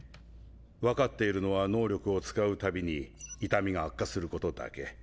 分かっているのは能力を使う度に痛みが悪化することだけ。